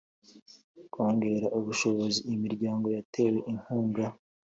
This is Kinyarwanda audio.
Kongera ubushobozi imiryango yatewe inkunga